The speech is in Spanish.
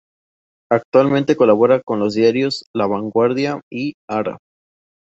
Actualmente colabora con los diarios "La Vanguardia" y "Ara".